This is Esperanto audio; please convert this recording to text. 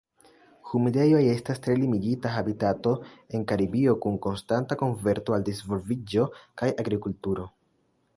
Humidejoj estas tre limigita habitato en Karibio, kun konstanta konverto al disvolviĝo kaj agrikulturo.